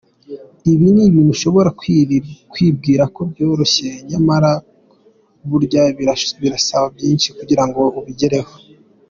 Ibi ni ibintu ushobora kwibwira ko byoroshye nyamara burya birasaba byinshi kugira ngo ubigereho.